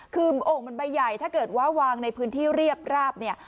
คือโอ่งมันใบใหญ่ถ้าเกิดว่าวางในพื้นที่เรียบราบเนี่ย